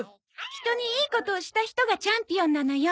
人にいいことをした人がチャンピオンなのよ。